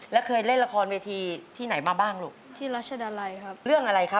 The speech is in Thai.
และเคยเล่นละครเวทีที่ไหนมาบ้างลูก